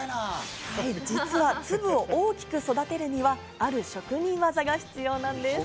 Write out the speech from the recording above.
実は粒を大きく育てるにはある職人技が必要なんです。